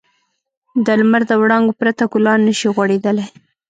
د لمر د وړانګو پرته ګلان نه شي غوړېدلی.